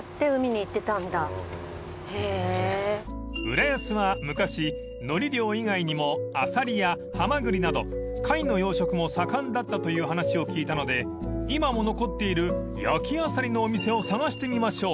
［浦安は昔海苔漁以外にもアサリやハマグリなど貝の養殖も盛んだったという話を聞いたので今も残っている焼きあさりのお店を探してみましょう］